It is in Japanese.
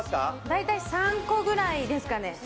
大体３個くらいですかね。